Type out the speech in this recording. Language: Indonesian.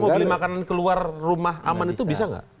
mau beli makanan keluar rumah aman itu bisa nggak